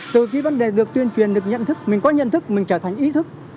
từ cái vấn đề được tuyên truyền được nhận thức mình có nhận thức mình trở thành ý thức